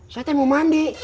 saya teh mau mandi